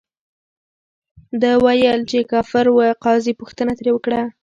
ده ویل، چې کافر ؤ. قاضي پوښتنه ترې وکړه،